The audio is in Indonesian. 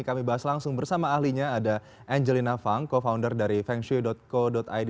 kami bahas langsung bersama ahlinya ada angelina fang co founder dari feng shui co id